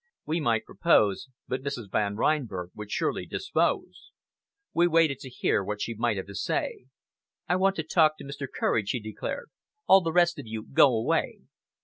We might propose, but Mrs. Van Reinberg would surely dispose. We waited to hear what she might have to say. "I want to talk to Mr. Courage," she declared. "All the rest of you go away!"